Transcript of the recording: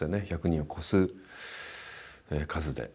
１００人を超す数で。